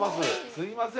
すいません